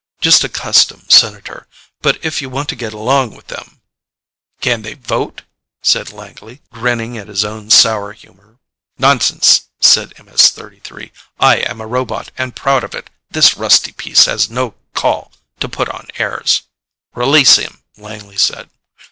Just a custom, Senator, but if you want to get along with them " "Can they vote?" said Langley, grinning at his own sour humor. "Nonsense," said MS 33. "I am a robot, and proud of it. This rusty piece has no call to put on airs." "Release him," Langley said.